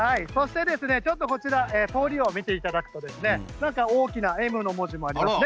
通りを見ていただくと大きなＭの文字もあります。